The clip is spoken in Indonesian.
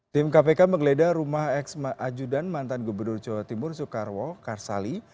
tim kpk menggeledah rumah ajudan mantan gubernur jawa timur soekarwo karsali